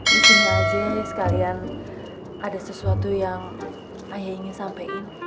disini aja sekalian ada sesuatu yang ayah ingin sampein